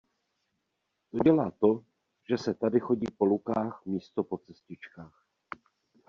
To dělá to, že se tady chodí po lukách místo po cestičkách.